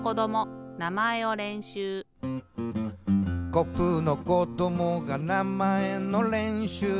「コップのこどもがなまえのれんしゅう」